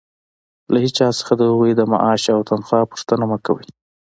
له هيچا څخه د هغوى د معاش او تنخوا پوښتنه مه کوئ!